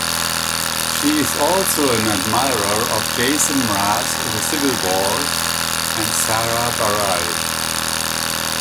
She is also an admirer of Jason Mraz, The Civil Wars, and Sara Bareilles.